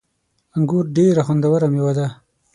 انګور ډیره خوندوره میوه ده